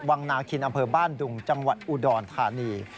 วังนาคินอำเภอบ้านดุงจังหวัดอุดรธานี